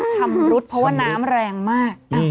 ชำรุดเพราะว่าน้ำแรงมาก